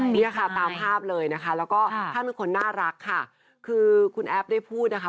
เนี่ยค่ะตามภาพเลยนะคะแล้วก็ท่านเป็นคนน่ารักค่ะคือคุณแอฟได้พูดนะคะ